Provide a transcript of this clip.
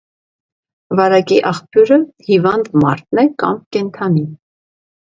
Վարակի աղբյուրը հիվանդ մարդն է կամ կենդանին։